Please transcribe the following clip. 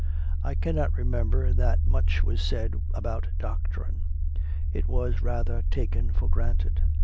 I cannot remember that much was said about doctrine; it was, rather, taken for granted.